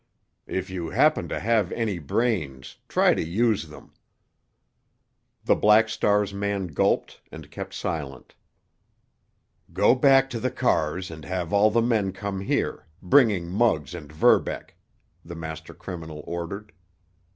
If you happen to have any brains, try to use them." The Black Star's man gulped and kept silent. "Go back to the cars and have all the men come here, bringing Muggs and Verbeck," the master criminal ordered.